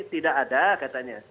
tidak ada katanya